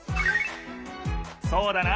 そうだな！